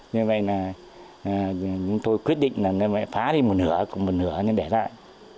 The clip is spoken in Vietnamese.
nhưng vậy là tôi quyết định là phá đi một nửa một nửa để lại